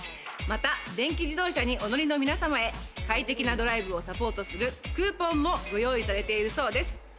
また電気自動車にお乗りの皆様へ、快適なドライブをサポートするクーポンもご用意されているそうです。